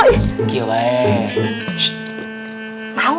tidak seperti kamu